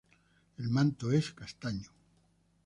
El manto es castaño.